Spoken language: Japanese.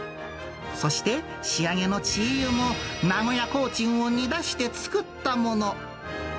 そして、仕上げのチー油も名古屋コーチンを煮出して作ったもの。